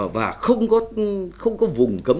và không có vùng cấm